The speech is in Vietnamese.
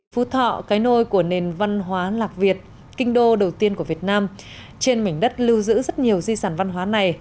phú thọ cái nôi của nền văn hóa lạc việt kinh đô đầu tiên của việt nam trên mảnh đất lưu giữ rất nhiều di sản văn hóa này